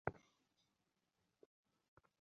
আমার ঠিকানায় নিসার আলির এক চিঠি এসে উপস্থিতি।